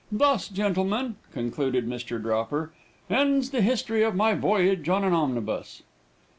"Thus, gentlemen," concluded Mr. Dropper, "ends the history of my voyage on an omnibus."